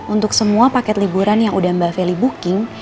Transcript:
untuk semua paket liburan yang udah mbak feli booking